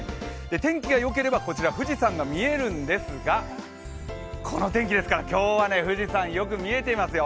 天気がよければこちら富士山が見えるんですがこの天気ですから、今日は富士山よく見えていますよ。